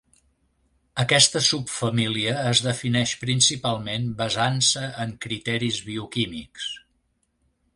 Aquesta subfamília es defineix principalment basant-se en criteris bioquímics.